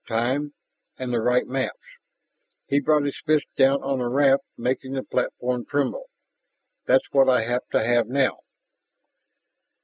"Time ... and the right maps " he brought his fist down on the raft, making the platform tremble "that's what I have to have now."